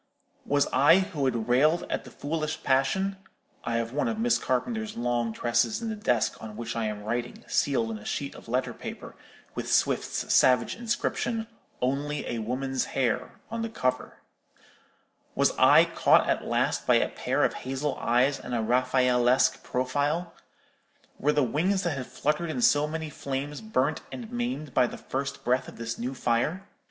—was I, who had railed at the foolish passion—(I have one of Miss Carpenter's long tresses in the desk on which I am writing, sealed in a sheet of letter paper, with Swift's savage inscription, 'Only a woman's hair,' on the cover)—was I caught at last by a pair of hazel eyes and a Raffaellesque profile? Were the wings that had fluttered in so many flames burnt and maimed by the first breath of this new fire?